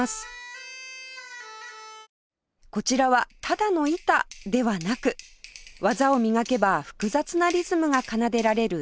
こちらはただの板ではなく技を磨けば複雑なリズムが奏でられる打楽器